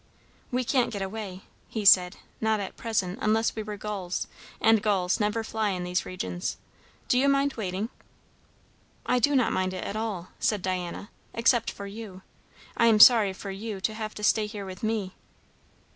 "We can't get away," he said. "Not at present, unless we were gulls; and gulls never fly in these regions. Do you mind waiting?" "I do not mind it at all," said Diana; "except for you. I am sorry for you to have to stay here with me."